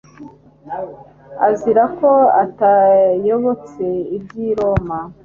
azira ko atayobotse iby' i roma